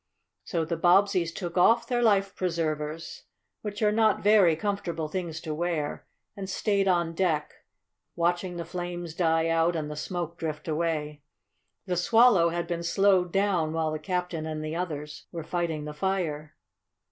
So the Bobbseys took off their life preservers, which are not very comfortable things to wear, and stayed on deck, watching the flames die out and the smoke drift away. The Swallow had been slowed down while the captain and the others were fighting the fire.